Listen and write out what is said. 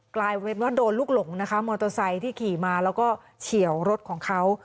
กลายเป็นว่าโดนลูกหลงนะคะมอเตอร์ไซค์ที่ขี่มาแล้วก็เฉียวรถของเขา